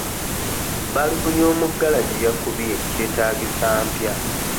Balubu y'omu ggalagi yakubye kyetaagisa mpya.